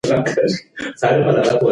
دوی باید د هغې مړی په درناوي ښخ کړی وای.